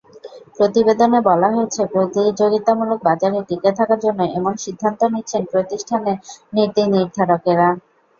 প্রতিবেদনে বলা হয়েছে, প্রতিযোগিতামূলক বাজারে টিকে থাকার জন্য এমন সিদ্ধান্ত নিচ্ছেন প্রতিষ্ঠানের নীতিনির্ধারকেরা।